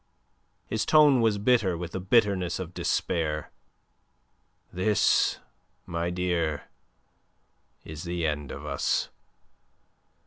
His tone was bitter with the bitterness of despair. "This, my dear, is the end of us.